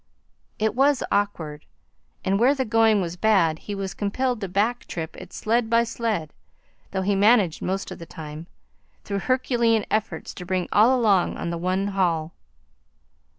It was awkward, and where the going was bad he was compelled to back trip it sled by sled, though he managed most of the time, through herculean efforts, to bring all along on the one haul.